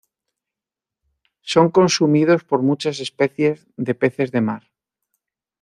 Son consumidos por muchas especies de peces de mar.